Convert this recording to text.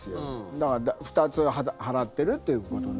だから２つ払っているということに。